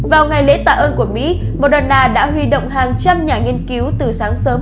vào ngày lễ tạ ơn của mỹ moderna đã huy động hàng trăm nhà nghiên cứu từ sáng sớm